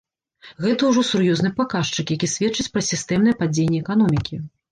Гэта ўжо сур'ёзны паказчык, які сведчыць пра сістэмнае падзенне эканомікі.